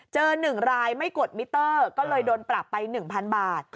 ๑รายไม่กดมิเตอร์ก็เลยโดนปรับไป๑๐๐๐บาท